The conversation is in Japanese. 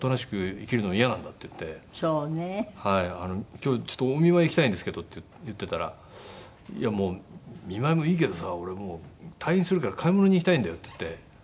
「今日ちょっとお見舞い行きたいんですけど」って言ってたら「いや見舞いもいいけどさ俺もう退院するから買い物に行きたいんだよ」って言って。